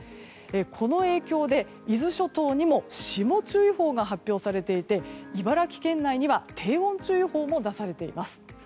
この影響で伊豆諸島にも霜注意報が発表されていて、茨城県内には低温注意報も出されています。